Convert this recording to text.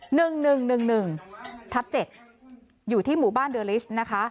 หนึ่งหนึ่งหนึ่งหนึ่งหนึ่งทับเจ็ดอยู่ที่หมู่บ้านเดอลิสนะคะ